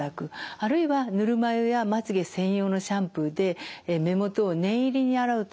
あるいはぬるま湯やまつげ専用のシャンプーで目元を念入り洗うと。